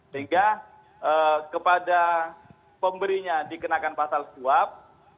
sehingga kepada pemberinya dikenakan pasal dua ayat satu